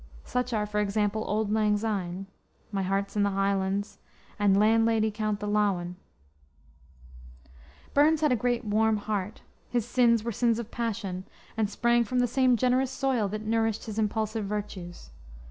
Such are, for example, Auld Lang Syne, My Heart's in the Highlands, and Landlady, Count the Lawin. Burns had a great, warm heart. His sins were sins of passion, and sprang from the same generous soil that nourished his impulsive virtues.